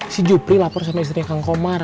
si jupri lapor sama istrinya kang komar